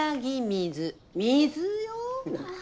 水よ！